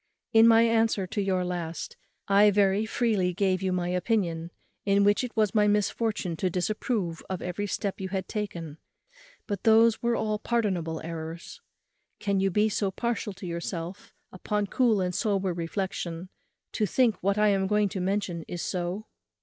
In my answer to your last, I very freely gave you my opinion, in which it was my misfortune to disapprove of every step you had taken; but those were all pardonable errors. Can you be so partial to yourself, upon cool and sober reflexion, to think what I am going to mention is so?